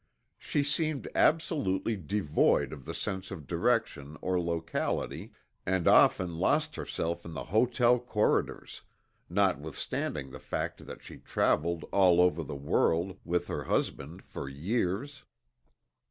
She seemed absolutely devoid of the sense of direction or locality and often lost herself in the hotel corridors, notwithstanding the fact that she traveled all over the world, with her husband, for years.